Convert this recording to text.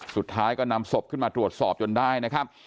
สุดท้ายก็นำศพขึ้นมาตรวจสอบจนได้นะครับ